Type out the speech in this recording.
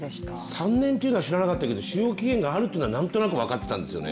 ３年というのは知らなかったけど、使用期限があるというのはなんとなく知ってました。